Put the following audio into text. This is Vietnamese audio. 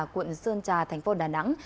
quận sơn trà thành phố đà nẵng